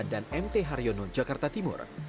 dan mt haryono jakarta timur